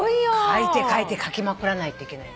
書いて書いて書きまくらないといけない。